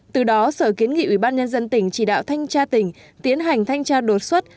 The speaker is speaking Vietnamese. từ đó sở kiến nghị ubnd tỉnh chỉ đạo thanh tra tỉnh tiến hành thanh tra đột xuất